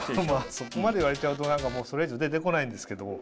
そこまで言われちゃうとそれ以上出て来ないんですけど。